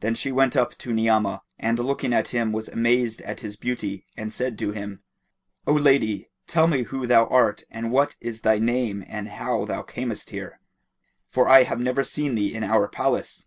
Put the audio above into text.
Then she went up to Ni'amah and looking at him was amazed at his beauty and said to him, "O lady, tell me who thou art and what is thy name and how thou camest here; for I have never seen thee in our palace."